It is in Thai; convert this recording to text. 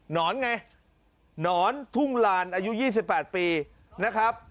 นอนไงหนอนทุ่งลานอายุ๒๘ปีนะครับ